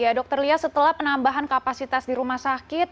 ya dokter lia setelah penambahan kapasitas di rumah sakit